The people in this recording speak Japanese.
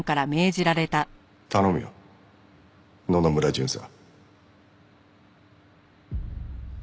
頼むよ野々村巡査。